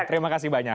terima kasih banyak